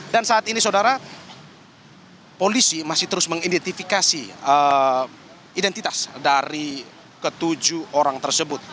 dan saat ini saudara polisi masih terus mengidentifikasi identitas dari ketujuh orang tersebut